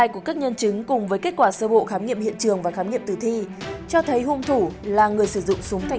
các bạn hãy đăng ký kênh để ủng hộ kênh của chúng mình nhé